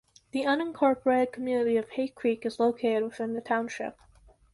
The unincorporated community of Hay Creek is located within the township.